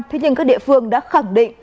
thế nhưng các địa phương đã khẳng định